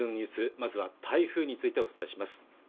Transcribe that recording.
まずは台風についてお伝えします